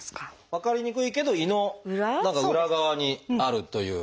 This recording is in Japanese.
分かりにくいけど胃の裏側にあるという。